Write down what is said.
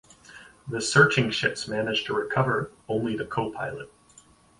The searching ships managed to recover only the co-pilot.